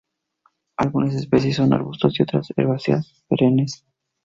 Algunas especies son arbustos, y otras herbáceas perennes.